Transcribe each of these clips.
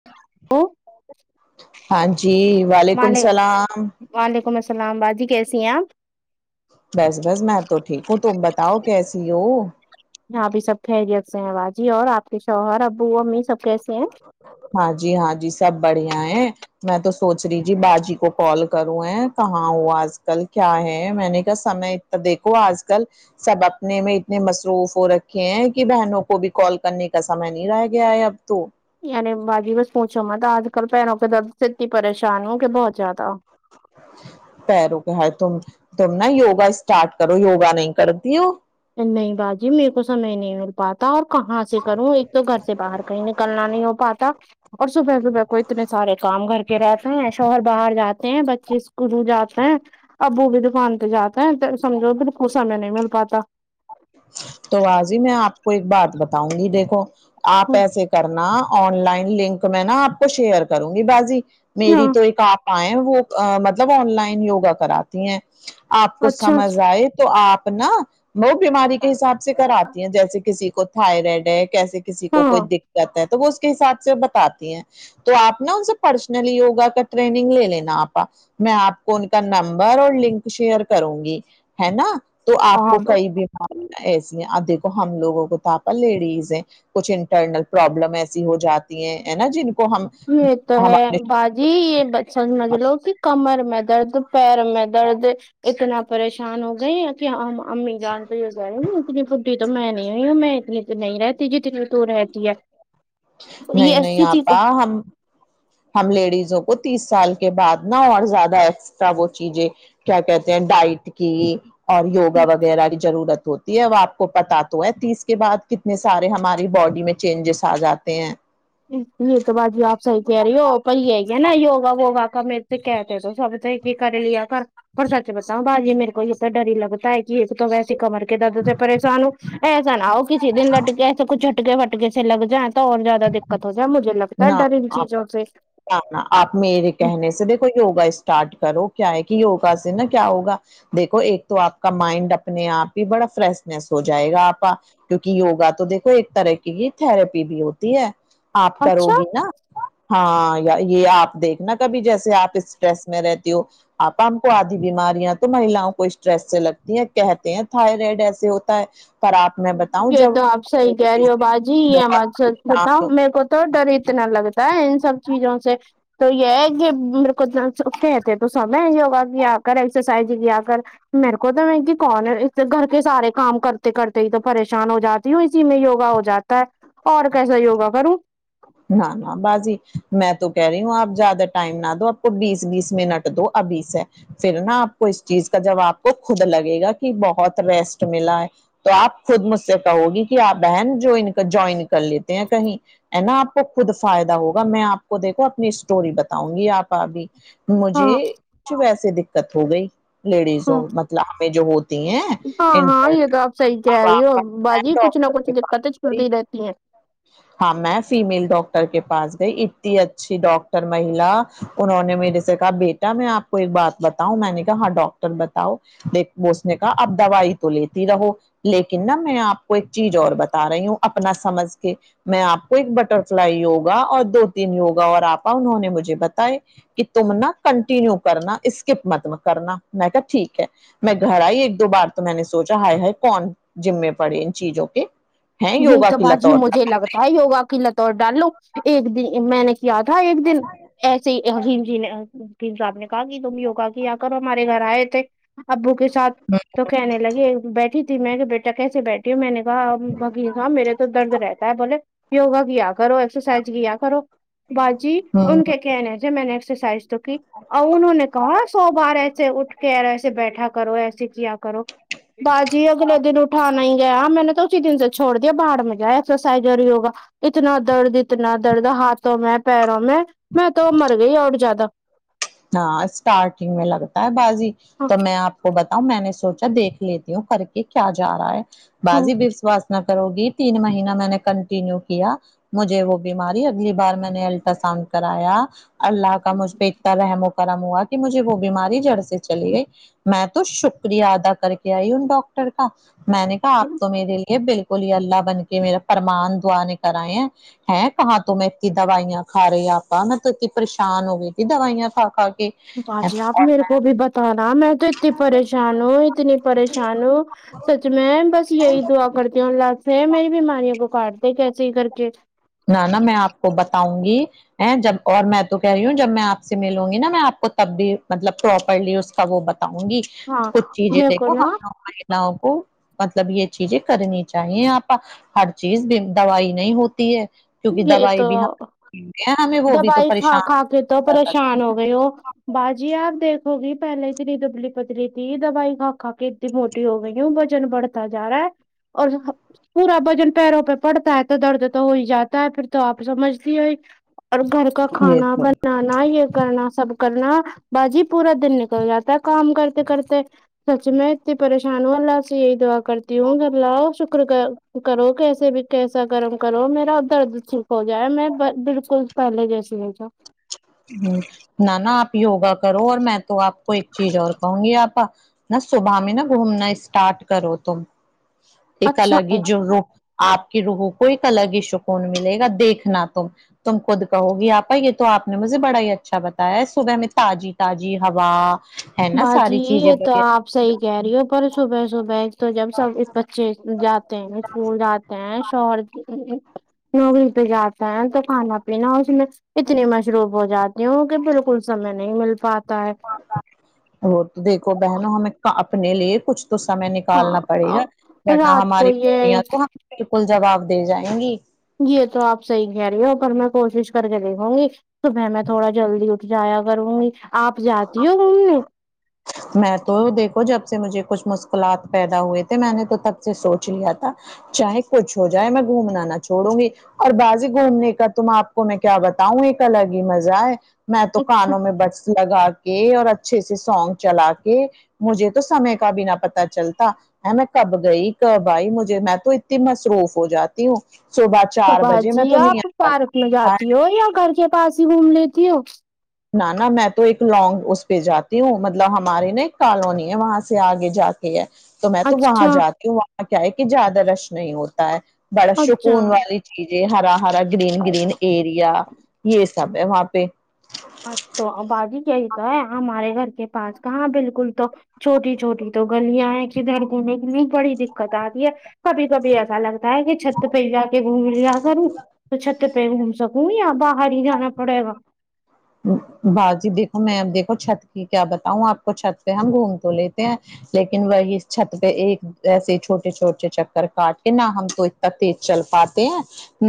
[unintelligible] ہاں جی وعلیکم وعلیک سلام وعلیکم السلام باجی کیسی ہیں آپ بس بس میں تو ٹھیک ہوں تم بتاؤ کیسی ہو یہاں بھی سب خیریت سے ہیں باجی اور آپ کے شوہر ابو امی سب کیسے ہیں ہاں جی ہاں جی سب بڑھیا ہیں میں تو سوچ رہی جی باجی کو کال کروں ایں کہاں ہو آج کل کیا ہے میں نے کہا سمے تو دیکھو آج کل سب اپنے میں اتنے مصروف ہو رکھے ہیں کہ بہنوں کو بھی کال کرنے کا سمے نہیں رہ گیا ہے اب تو یعنی باجی بس پوچھو مت آج کل پیروں کے درد سے اتنی پریشان ہوں کہ بہت زیادہ پیروں کے ہاے تم تم نا یوگا اسٹارٹ کرو یوگا نہیں کرتی ہو نہیں باجی میرے کو سمے نہیں مل پاتا اور کہاں سے کروں ایک تو گھر سے باہر کہیں نکلنا نہیں ہو پاتا اور صبح صبح کو اتنے سارے کام گھر کے رہتے ہیں شوہر باہر جاتے ہیں بچے اسکول جاتے ہیں ابو بھی دکان پہ جاتے ہیں تو سمجو بالکل سمے نہیں مل پاتا تو باجی میں آپ کو ایک بات بتاؤں گی دیکھو آپ ایسے کرنا آن لائن لنک میں نا آپ کو شیئر کروں گی باجی ہاں میری تو ایک آپ پا ہیں وہ مطلب آن لائن یوگا کراتی ہیں آپ کو اچھا سمجھ آئے تو آپ نا وہ بیماری کے اچھا حساب سے کراتی ہیں جیسے کسی کو تھائرائڈ ہے کیسے کسی کو ہاں کوئی دق قت ہے تو وہ اس کے حساب سے بتاتی ہیں تو آپ نا ان سے پرسنلی یوگا کا ٹرینگ لے لینا آپ میں آپ کو ان کا نمبر اور لنک شیئر کروں گی ہے نا تو آپ ہاں کو کئی بھی ایسی دیکھو ہم لوگوں کو تو آپا لیڈیز ہیں کچھ انٹرنل پرابلم ایسی ہو جاتی ہیں ہے نا جن کو ہم یہ تو ہم ہے اپنے با جی یہ بچچن سمجھ لو کہ کمر میں درد پیر میں درد اتنا پریشان ہو گئے ہیں کہ ہم امی جان تو ہی ہو جانی ن اتنی فڈی تو میں نہیں ہوئی میں اتنی نہیں رہتی جیتنی میں تو رہتی ہے یہ نہیں نہیں ایسی تھی [unintelligible] ہم لیڈیزوں کو تیس سال کے بعد نہ اور زیادہ ایکسٹرا وہ چیزیں کیا کہتے ہیں ڈائٹ کی اور یوگا وغیرہ کی ضرورت ہوتی اب آپ کو پتا تو ہے تیس کے بعد کتنے سارے ہماری باڈی میں چینجز آ جاتے ہیں یہ تو باجی آپ صحیح کہہ رہی ہو پر ہی ہے کیا نا یوگا وگا کا میں تو کہتے تھےسب کہ کر لیا کر پر سچ بتاؤ باجی میرے کو یہت تو ڈری لگتا ہے کہ ایک تو ویسے کمر کے دد سے پریشان ہو ایسا نہ ہو دن لٹ کے ایسا کچ جھٹکے فٹکے سے لگ جا تو اور زیاد دقت ہو جائے مجے لگتا نہ ان آپ چیزوں سے آپ میرے کہنے سے دیکھو یوگا اسٹارٹ کرو کیا ہے کہ یوگا سے نا کیا ہوگا دیکھو ایک تو آپ کا مائنڈ اپنے آپ ہی بڑا فریشنیس ہو جائے گا آپا کیونکہ یگا تو دیکھو ایک طرح کی تھرپی بھی ہوتی ہے آپ کرو اچھا گی نا ہاں یا یہ آپ دیکھنا کبھی جیسے آپ اسٹریس میں رہتی ہو آپا ہم کو آدھی بیماریاں تو ماہلاؤ کو اسٹریس سے لگتی ہیں کہتے ہیں تھائرائڈ ایسے ہوتا ہے پر آپ میں بتاؤں یہ جب تو آپ صحیح کہہ رہی ہو باجی یہ ہم بہت سات پریشان بتاؤ میرے کو تو ڈر اتنا لگتا ہے ان سب چیزوں سے تو یہ ہے کہ کچ ستے تو سمے ہوگا بھی آپ [unintelligible] ایکسرسائز کیا کر میرے کو تو میں کہ کون گھر کے سارے کام کرتے کرتے تو پریشان ہو جاتی ہوں اسی میں یوگا ہو جاتا ہے اور کیسا یوگا کروں نہ نہ باجی میں تو کہہ رہی ہوں آپ زیادہ ٹائم نہ دو آپ کو بیس بیس منٹ دو ابھی سے ہے پھر نا آپ کو اس چیز کا جب آپ کو خود لگے گا کہ ہی بہت ریسٹ ملا ہے تو آپ خود مجھ سے کہو گی کہ آپ بہن جو جوائن کر لیتے ہیں کہیں ہے نا آپ کو خود فائدہ ہوگا میں آپ کو دیکھو اپنی اسٹوری بتاؤں گی آپا ابھی ہاں مجھے کچھ ویسے دکت ہو گئی لیڈیزوں ہاں مطلب ہمیں جو ہوتی ہیں ہاں ہاں انٹر یہ تو پت کے پاس گئی چلتی رہتی ہیں ہاں میں فیمیل ڈاکٹر کے پاس گئی اتنی اچھی ڈاکٹر مہیلا انہوں نے میرے سے کہا بیٹا میں آپ کو ایک بات بتاؤں میں نے کہا ہاں ڈاکٹر بتاؤ دیک اس نے کہا اب دوائی تو لیتی رہو لیکن نہ میں آپ کو ایک چیز اور بتا رہی ہوں اپنا سمجھ کے میں آپ کو ایک بٹر فلائی یوگا اور دو تین یوگا اور آپا انہوں نے مجھے بتائے کہ تم نہ کنٹیینیو کرنا اسکپ مت کرنا میں کہا ٹھیک ہے میں گھر آئی ایک دو بار تو میں نے سوچا ہائے ہائے کون جذمے پڑے ان چیزوں کے ہیں یہی یوگا تو کے باجی لتور مجھے لگتا ہے ہی ہوگا کی لتوڑ ڈال لو ایک دن میں نے کیا تھا ایک دن ایسے ہی حمی جی نے مفیتی صاحب نے کہا کہ تم یوگا کیا کرو ہمارے گھر آئے تھے ابو کے ساتھ ساتھ تو کہنے لگے بیٹھی تھی میں کہ بیٹا کیسے بیٹھی ہوں میں نے کہا میرے تو درد رہتا ہے بولے یوگا کیا کرو ایکسرسائز کیا کرو باجی ان کے کہنہ سے میں نے ایکسرسائز تو کی اور انہوں نے کہا سو بار ایسے اٹھ کے ایسے بیٹھا کرو ایسے کیا کرو باجی اگلے دن اٹھانا ہی گیا میں نے تو اسی دن سے چھڑ دیا باہر میں جائے ایکسرسائز اور یوگا اتنا درد اتنا درد ہاتھوں میں پیروں میں میں تو مر گئی اور زیادہ ہاں اسٹارٹنگ میں لگتا ہے باجی تو میں آپ کو بتاؤ میں نے سوچا دیکھ لیتی ہوں کر کے کیا جا رہا ہے باجی کرو گی تین مہینہ میں نے کنٹینیو کیا مجھے وہ بیماری اگلی بار میں نے الٹراساؤنڈ کرایا اللہ کا مجھ پہ رحم و کرم ہوا کہ مجھے وہ بیماری جڑ سے چلی گئی میں تو شکریہ ادا کر کے آئی ان ڈاکٹر کا میں نے کہا آپ تو میرے لیے بالکل اللہ بن کے میرا پرمان دعا نے کرائے ہیں ہ کہاں تو میں اتنی دوائییا کھا رہے آپا میں تو اتنی پریشان ہو گئی دوائیا کھا کھا کے باجی آپ میرے کو بھی بتانا میں تو اتنی پریشان ہوں اتنی پریشان ہوں سچ میں بس یہی دعا کرتی ہوں اللہ سے میری بیماریوں کو کاٹتے کیسے ہی کر کے نہ نہا میں آپ کو بتاؤں گی جب اور میں تو کہہ رہی ہوں جب میں آپ سے ملوں گی نا میں آپ کو تب بھی مطلب پروپرلی اس تو وہ بتاؤں گی ہاں کچھ چیزیں میرے کو دیکھو نا ہم لگ کو مطلب یہ چیزیں کرنی چاہیے آپا ہر چیز دوائی نہیں ہوتی ہے کیونکہ یہ دوائی بھی تو ہم ہمیں وہ بھی تو دوائی کھ پریشان کھ کے تو کر پریشان ہو گئے ہو باجی آپ دیکھو گی پہلے اتنی دبلی پتلی تھی دوائی کھا کھا کے اتنی موٹی ہو گئی ہو وزن بڑھتا جا رہا ہے اور پورا وزن پیروں پہ پڑتا ہے تو درد تو ہو ہی جاتا ہے پھر تو آپ سمجھتی ہو اور گھر کا سکتی یہ کھانا تو بنانا یہ کرنا سب کرنا باجی پورا دن نکل جاتا ہے کام کرتے کرتے سچ میں اتنی پریشان ہوں اللہ سے یہی دعا کرتی ہوں کہ اللہ ش کرو کیسے بھی کیسا گرم کرو میرا درد ٹھیک ہو جائے میں بال کل پہلے جیسی ہوجاو نہ نا آپ یوگا کرو اور میں تو آپ کو ایک چیز اور کہوں گی آپا نہ صبح میں نہا گھومنا اسٹارٹ کرو تم ایک الگ اچھا ہی جو ر آپ کے روحوں کو ایک الگ ہی سکون ملے گا دیکھنا تم تم خود کہو گی آپا یہ تو آپ نے مجھے بڑا ہی اچھا بتایا ہے صبح میں تازی تازی ہوا ہے نا باجی ساری چیزیں یہ تو بڑھیا آپ صحیح کہہ رہی ہو پر صبح صبح تو جب سب بچے جات اسکول جاتے ہیں شوہر نوکری پہ جاتے تو کانا پینا او سی میں اتنی مشروب ہو جاتی کہ بالکل سمے نہیں مل پاتا ہے وہ تو دیکھو بہنوں ہمیں اپنے لیے کچھ تو سمے نکالنا ہاں پڑے گا اور نا رات کو ہماری بٹیاں یہ تو ہم بالکل جواب دے جائیں گی یہ تو آپ صحیح کہہ رہی ہو پر میں کوشش کر کے دیکھوں گی صبح میں تھوڑا جلدی جایا کروں گی آپ جاتی گھوم نے میں تو دیکھو جب سے مجھے کچھ مشکلات پیدا ہوئے تھے میں نے تو تب سے سوچ لیا تھا چاہے کچھ ہو جائے میں گھومنا نہ چھوڑوں گی اور باجی گھومنے کا تم آپ کو میں کیا بتاؤں ایک الگ ہی مزہ ہے میں تو اچھا کانوں میں بٹس لگا کے اور اچھے سے سونگ چلا کے مجھے تو سمے کا بنا پتا چلتا ہ میں کب گئی کب آئی مجھے میں تو اتنی مصروف ہو جاتی تی ہوں سوبا تو با جی آپ پارک میں جاتی ہو یا گھر کے پاس ہی گھوم لیتی ہو نہ نا میں تو ایک لانگ اس پہ جاتی ہوں مطلب ہمارے نا ایک کالونی ہے وہاں سے آگے جاتی ٹھیک ہے تو میں تو وہاں اچھا جاتی ہوں وہاں کیا ہے کہ زیادہ رش نہیں ہوتا ہے بڑا اچھا سکون والی کیجیے ہرا ہرا گرین ہاں گرین ایریا یہ سب ہے وہاں پہ تو ہے ہمارے گھر کے پاس کہاں بالکل تو [unintelligible] چھوٹی چھوٹی تو گلیاں ہیں کدھر گھومے اتنی بڑی دقت آتی ہے کبھی کبھی ایسا لگتا ہے کہ چھت پہ کںی جا کے گھوم لیا کروں تو چھت پے گھوم سکون یا باہر ہی جانا پڑے گا باجی دیکھو میں اب دیکھو چھت کی کیا بتاؤں آپ کو چھت پہ ہم گھوم تو لیتے ہیں لیکن وہی چھت پہ ایک ایسے چھوٹے چھوٹے چکر کاٹ کے نہ ہم تو اتنا تیز چل پاتے ہیں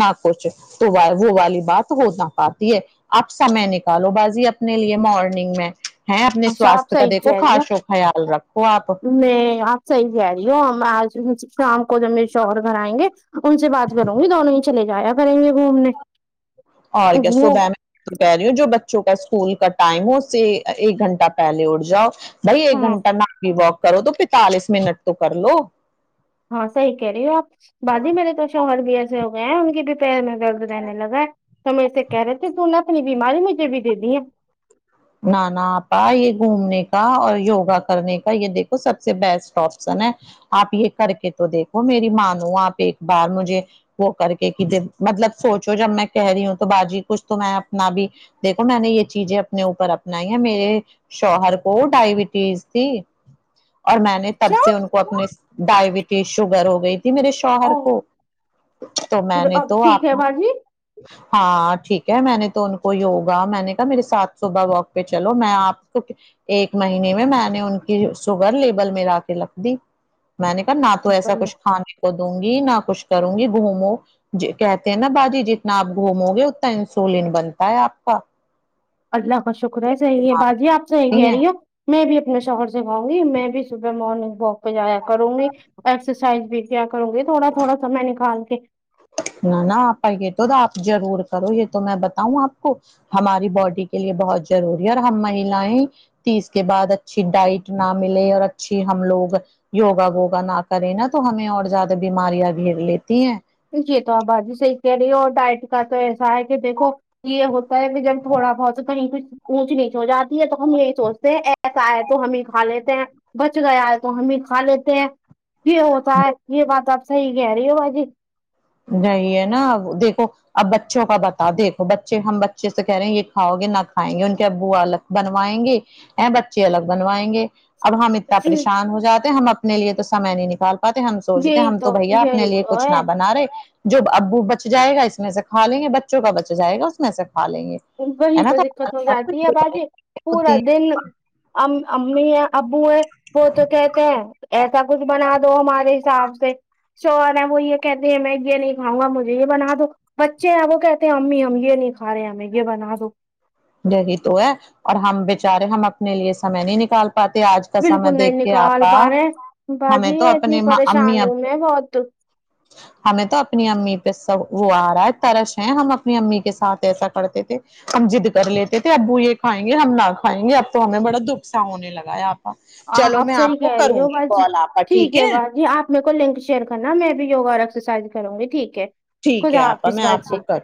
نہ کچھ تو وہ والی بات ہو نہ پاتی ہے اب سے میں نے کالو بازی اپنے لیے مارننگ میں ہیں اپنے اچھا آپ سواستھ کا صحیح دیکھو کہہ رہی خاش ہو خیال رکھو آپ میں آپ صحیح کہہ رہی ہ ہو ہم آج شام کو جب میرے شوہر گھر آئیں گے ان سے بات کروں گی دونوں ہی چلے جایا کریں گے گھومنے اور کیا وہ صبح میں کہے رہی جو بچوں کا اسکول کا ٹائم ہو اس سے ایک گھنٹہ پہلے اٹھاجاؤ بھائی ایک ہاں گھنٹہ مآرننگ والک کرو تو پینتالیس منٹ تو کر لو ہاں صحیح کہہ رہی ہو آپ باجی میرے تو شوہر بھی ایسے ہو گئے ہیں ان کی بھی پیر میں درد رہنے لگا ہے توہم انسے کہہ رہے تھے کیونہ اپنی بیماری مجھے بھی دے دی ہے نانا آپا یہ گھومنے کا اور یوگا کرنے کا یہ دیکھو سب سے بیسٹ آپشن ہے آپ یہ کر کے تو دیکھو میری مانو آپ ایک بار مجھے وہ کر کے کہ ج مطلب سوچو جب میں کہہ رہی ہوں تو باجی کچھ تو میں اپنا بھی دیکھو میں نے یہ چیزیں اپنے اوپر اپنائی ہے میرے شوہر کو ڈائبٹیز تھی اور میں نے تب اچھا سے ان کو اپنے ڈائبٹیز شوگر ہو گئی تھی میرے شوہر او کو تو میں پھر نے اب تو ٹھیک ہے آپ باجی ہاں ٹھیک ہے میں نے تو ان کو یوگا میں نے کہا میرے ساتھ صبح والک پہ چلو میں آپ کو ایک مہینے میں میں نے ان کی شوگر لیبل میں لا کے رکھ دی میں نے کہا نہ تو ایسا کچھ کھانے کو دوں گی نہ کچھ کروں گی گھومو کہتے ہیں نا باجی جتنا آپ گھومو گے اتنا انسولین بنتا ہے آپ کا اللہ کا شکر ہے صحیح ہے باجی آپ صحیح ٹھیک کہہ ہے رہی ہو میں بھی اپنے شوہر سے کہونگی میں بھی صبح مارننگ والک پہ جایا کروں گی ایکسرسائز بھی کیا کرو گی تھوڑا تھوڑا سمیں نکال کے نہ نہ آپا یہ تو آپ ضرور کرو یہ تو میں بتاؤں آپ کو ہماری باڈی کے لیے بہت ضروری ہے اور ہم مہیلائیں تیس کے بعد اچھی ڈائٹ نہ ملے اور اچھی ہم لوگ یوگا ووگا نہ کرے نا تو ہمیں اور زیادہ بیماریاں گھیر لیتی ہیں یہ تو آپ باجی صحیح کہہ رہی ہیں اور ڈائٹ کا تو ایسا ہے کہ دیکھو یہ ہوتی س بھی جن تھوڑا بہت کہ نہیں [unintelligible] اونچ نیچ ہو جاتی ہے تو ہم یہی سوچتے ہیں ایسا ہے تو ہمیں کھا لیتے ہیں بچ گیا ہے تو ہم ہی کھا لیتے ہیں یہ ہوتا ہے یہ بات آپ صحیح کہہ رہی ہو باجی وہی ہےنا اب دیکھو اب بچوں کا بتا تےہےدیکھو بچے ہم بچے سے کہہ رہ ہیں یہ کھاو گے نہ کھائیں گے ان کے ابو الگ بنوایں گے اے بچے الگ بنوائیں گے اب ہم اتنا پریشان ہو جاتے ہم اپنے لیے تو سمے نہیں نکال پاتیں ہم سوچتے ہیں یہی ہم تو بھیا اپنے یہی لیے تو کچھ ہے نہ بنا رہے جو ابو بچ جائے گا اس میں سے کھا لیں گے بچوں کا بچ جائے گا اس میں سے کھا لیں گے وہی ہے نا تو دقت ہو جاتی ہے باجی پورا ہوتی دن ام امی ابو ہے وہ تو کہتے ہیں ایسا کچھ بنا دو ہمارے حساب سے شوہر ہے وہ یہ کہتے ہیں میں یہ نہیں کھاوں گا مجھے یہ بنا دو بچے ہیں وہ کہتے ہیں امی ہم یہ نہیں کھا رہے ہیں ہمیں یہ بنا دو یہی تو ہے اور ہم بےچارے ہم اپنے لیے سمے نہیں نکال پاتے آج کا سمے بالکل نہیں دیکھ کے نکال آپا پا رہے ہمیں باجی تو اتنی اپنے پریشان امی ہوں ابو میں بہت ہمیں تو اپنی امی پہ سب وہ آ رہا ہے ترس ہیں ہم اپنی امی کے ساتھ ایسا کرتے تھے ہم ضد کر لیتے تھے ابو یہ کھائیں گے ہم نہ کھائیں گے اب تو ہمیں بڑا دکھ سا ہونے لگا ہے آپ چلو میں صحیح آپ کو کہہ کروں گی کال آپا ٹھیک ہے مے کو لنک شیئر کرنا میں بھی یوگا اور ایکساسائز کروں گی ٹھیک ہے ٹھیک ہے خدا آپا حافظ میں آپ کو باجی کر